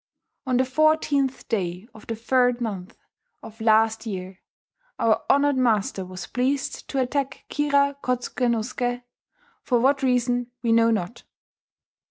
On the fourteenth day of the third month of last year, our honoured master was pleased to attack Kira Kotsuke no Suke, for what reason we know not.